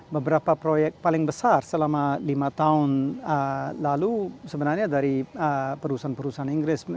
beberapa proyek paling besar selama lima tahun lalu sebenarnya dari perusahaan perusahaan inggris